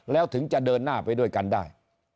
แล้วถึงจะเดินหน้าไปด้วยกันได้